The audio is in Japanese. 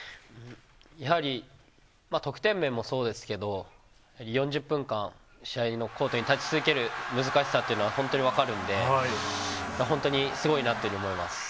やはり得点面もそうですけど、やはり４０分間、試合のコートに立ち続ける難しさというのは本当に分かるんで、本当にすごいなっていうふうに思います。